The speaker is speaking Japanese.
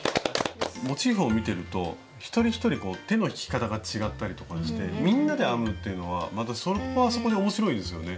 モチーフを見てると一人一人手の引き方が違ったりとかしてみんなで編むというのはそこはそこで面白いですよね。